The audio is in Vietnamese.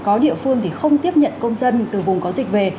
có địa phương thì không tiếp nhận công dân từ vùng có dịch về